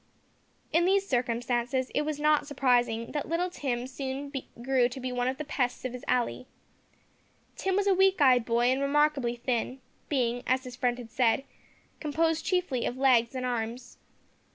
In these circumstances, it was not surprising that little Tim soon grew to be one of the pests of his alley. Tim was a weak eyed boy, and remarkably thin, being, as his friend had said, composed chiefly of legs and arms.